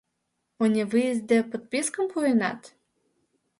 «О невыезде» подпискым пуэнат?